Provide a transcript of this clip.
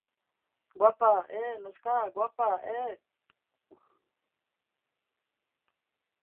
Guapa, e, neska, guapa, e...